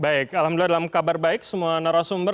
baik alhamdulillah dalam kabar baik semua narasumber